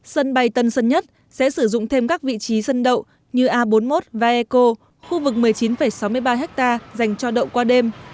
sân bay tân sơn nhất sẽ sử dụng thêm các vị trí sân đậu như a bốn mươi một vaeco khu vực một mươi chín sáu mươi ba ha dành cho đậu qua đêm